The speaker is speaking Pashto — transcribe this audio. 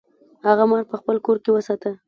هغه مار په خپل کور کې وساته.